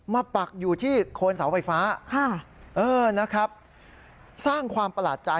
ปักอยู่ที่โคนเสาไฟฟ้าค่ะเออนะครับสร้างความประหลาดใจ